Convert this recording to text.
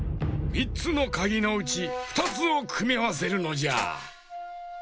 ３つのかぎのうち２つをくみあわせるのじゃ。